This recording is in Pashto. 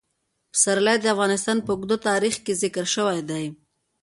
پسرلی د افغانستان په اوږده تاریخ کې ذکر شوی دی.